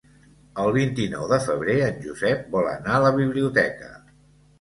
El vint-i-nou de febrer en Josep vol anar a la biblioteca.